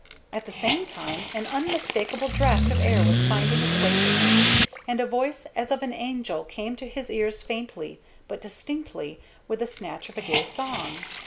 At the same time an unmistakable draught of air was finding its way to him, and a voice as of an angel came to his ears faintly but distinctly with the snatch of a gay song.